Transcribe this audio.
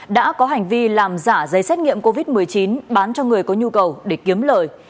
đã có hành vi làm giả giấy xét nghiệm covid một mươi chín bán cho người có nhu cầu để kiếm lời